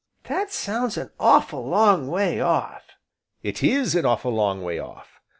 "That sounds an awful' long way off." "It is an awful' long way off."